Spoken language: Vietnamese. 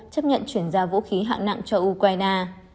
chấp nhận chuyển giao vũ khí hạng nặng cho ukraine